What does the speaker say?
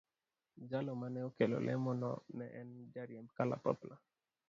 Jago mane okelo lemo no ne en jariemb kalapapla.